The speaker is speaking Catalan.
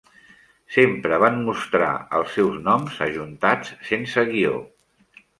Sempre van mostrar els seus noms ajuntats sense guió.